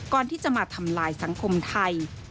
ก่อนที่จะมาทำลายสังคมไทย